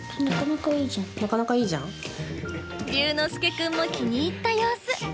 琉之介君も気に入った様子。